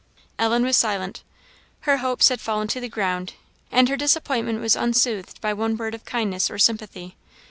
Ellen was silent. Her hopes had fallen to the ground, and her disappointment was unsoothed by one word of kindness or sympathy.